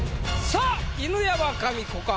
さあ犬山紙子か？